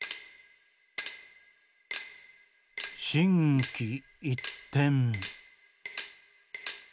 「しんきいってん」。